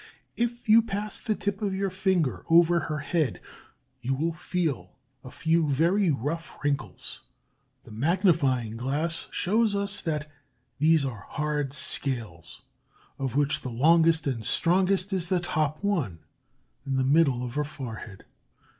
If you pass the tip of your finger over her head you will feel a few very rough wrinkles. The magnifying glass shows us that these are hard scales, of which the longest and strongest is the top one, in the middle of her forehead.